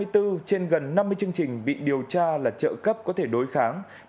hai mươi bốn trên gần năm mươi chương trình bị điều tra là trợ cấp có thể đối kháng